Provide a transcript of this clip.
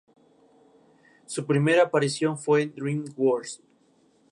A su muerte, sus reinos se dividieron entre sus dos hijos, Carlomán y Luis.